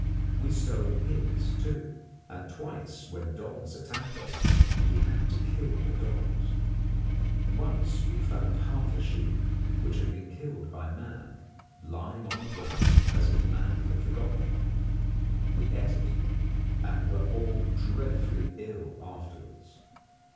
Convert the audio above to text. We stole pigs, too, and twice when dogs attacked us we had to kill the dogs. Once we found half a sheep, which had been killed by man, lying on the ground, as if man had forgotten it. We ate it, and were all dreadfully ill afterwards.